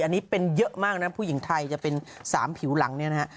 อันนี้เป็นเยอะมากนะผู้หญิงไทยจะเป็น๓ผิวหลังเนี่ยนะฮะ